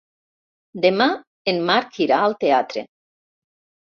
Demà en Marc irà al teatre.